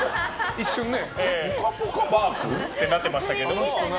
一瞬、ぽかぽかパーク？ってなってましたけど。